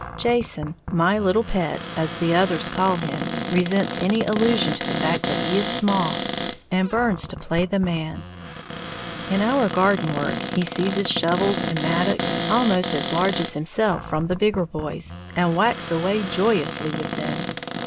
_ Jason, my "little pet" as the others call him, resents any allusion to the fact that he is small, and burns to play the man. In our garden work, he seizes shovels and mattocks almost as large as himself from the bigger boys, and whacks away joyously with them.